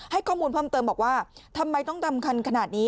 ให้ข้อมูลเพิ่มเติมบอกว่าทำไมต้องดำคันขนาดนี้